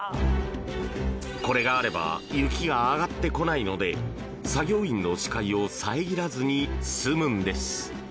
これがあれば雪が上がってこないので作業員の視界を遮らずに済むんです。